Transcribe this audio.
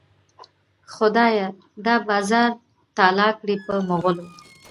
خدایه دا بازار تالا کړې په مغلو.